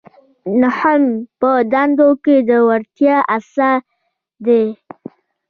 نهم په دندو کې د وړتیا اصل دی.